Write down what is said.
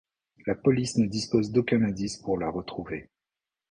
La police ne dispose d’aucun indice pour la retrouver.